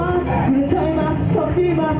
หยุดมีท่าหยุดมีท่า